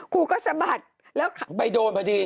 ครูก็สะบัดไปโดนพอดี